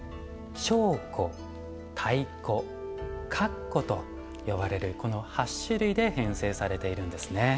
鉦鼓太鼓鞨鼓と呼ばれるこの８種類で編成されているんですね。